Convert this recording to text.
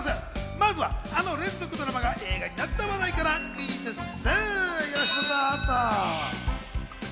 まずは、あの連続ドラマが映画になった話題からクイズッス。